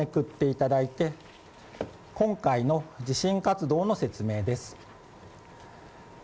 今回の地震活動の説明です。